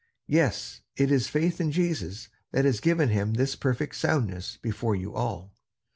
Yes, it is faith in Christ that has given him this perfect soundness before you all.